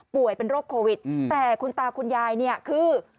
เป็นโรคโควิดแต่คุณตาคุณยายเนี่ยคือ